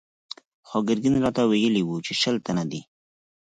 خو ګرګين راته ويلي و چې شل تنه دي.